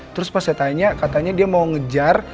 terus pas saya tanya katanya dia mau ngejar